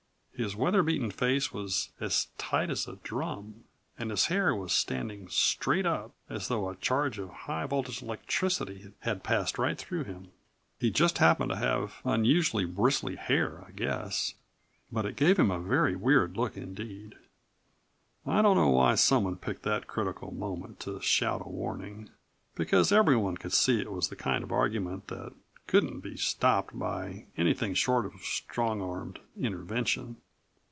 His weather beaten face was as tight as a drum, and his hair was standing straight up, as though a charge of high voltage electricity had passed right through him. He just happened to have unusually bristly hair, I guess. But it gave him a very weird look indeed. I don't know why someone picked that critical moment to shout a warning, because everyone could see it was the kind of argument that couldn't be stopped by anything short of strong armed intervention.